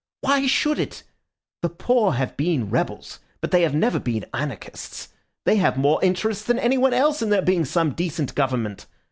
Why should it? The poor have been rebels, but they have never been anarchists; they have more interest than anyone else in there being some decent government.